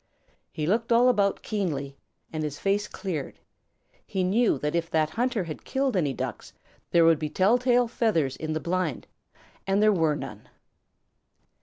He looked all about keenly, and his face cleared. He knew that if that hunter had killed any Ducks, there would be tell tale feathers in the blind, and there were none.